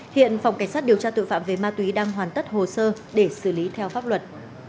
hiện phòng cảnh sát điều tra tội phạm về ma túy đang hoàn tất hồ sơ để xử lý theo pháp luật